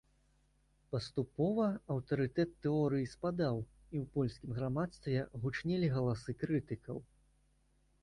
Паступова аўтарытэт тэорыі спадаў, і ў польскім грамадстве гучнелі галасы крытыкаў.